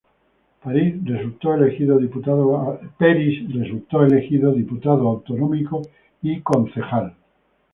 Peris resultó elegido diputado autonómico y concejal.